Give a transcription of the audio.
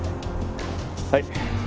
はい。